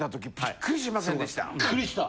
びっくりした！